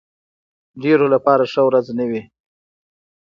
ډېرو لپاره ښه ورځ نه وي.